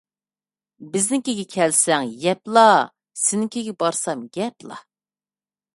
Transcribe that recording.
بىزنىڭكىگە كەلسەڭ يەپلا، سېنىڭكىگە بارسام گەپلا.